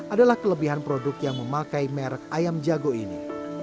adalah kelebihan produk yang memakai merek ayam jago ini